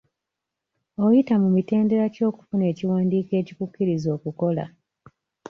Oyita mu mitendera ki okufuna ekiwandiiko ekikukkiriza okukola?